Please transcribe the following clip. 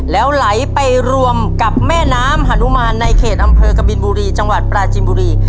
แล้วไหลไปรวมกับแม่น้ำหานุมานในเขตอำเภอกบินบุรีจังหวัดปราจินบุรี